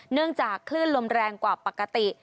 เนื่องจากคลื่นลมแรงกว่าปกติ